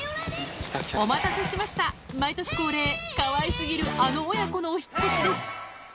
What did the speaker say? お待たせしました、毎年恒例、かわいすぎるあの親子のお引っ越しです。